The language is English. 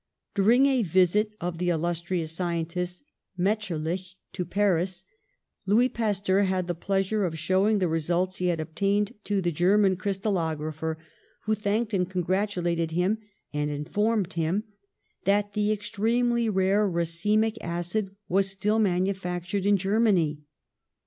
During a visit of the illustrious scientist, Metscher lich, to Paris, Louis Pasteur had the pleasure of showing the results he had obtained to the German crystalographer, who thanked and con gratulated him, and informed him that the ex tremely rare racemic acid was still manufac tured in Germany.